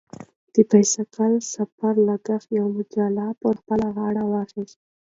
د بایسکل سفر لګښت یوه مجله پر خپله غاړه واخیست.